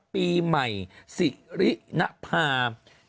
ปีใหม่สิรินภาพ